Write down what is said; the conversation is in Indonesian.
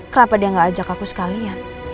kenapa dia gak ajak aku sekalian